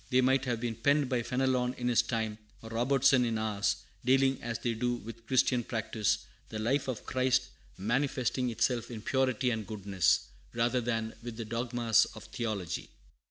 They might have been penned by Fenelon in his time, or Robertson in ours, dealing as they do with Christian practice, the life of Christ manifesting itself in purity and goodness, rather than with the dogmas of theology.